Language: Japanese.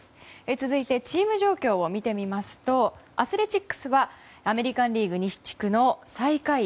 続いてチーム状況を見てみますとアスレチックスはアメリカン・リーグ西地区の最下位。